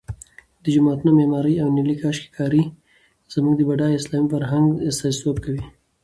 د جوماتونو معمارۍ او نیلي کاشي کاري زموږ د بډای اسلامي فرهنګ استازیتوب کوي.